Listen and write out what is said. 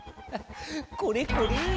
これこれ！